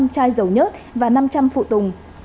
sáu trăm linh chai dầu nhất và năm trăm linh phụ tùng